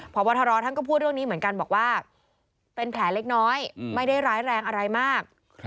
พบทรท่านก็พูดเรื่องนี้เหมือนกันบอกว่าเป็นแผลเล็กน้อยไม่ได้ร้ายแรงอะไรมาก